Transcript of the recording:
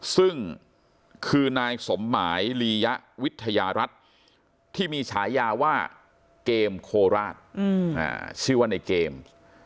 ซึ่งคือนายสมหมายลียะวิทยารัฐที่มีฉายาว่าเกมโคราชชื่อว่าในเกม